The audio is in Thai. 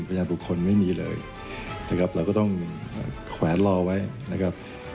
ยาบุคคลไม่มีเลยนะครับเราก็ต้องแขวนรอไว้นะครับ